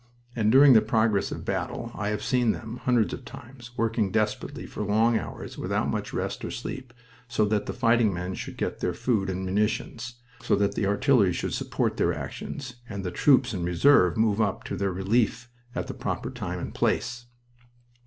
And during the progress of battle I have seen them, hundreds of times, working desperately for long hours without much rest or sleep, so that the fighting men should get their food and munitions, so that the artillery should support their actions, and the troops in reserve move up to their relief at the proper time and place.